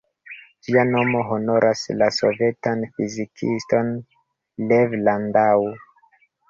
Ĝia nomo honoras la sovetan fizikiston Lev Landau.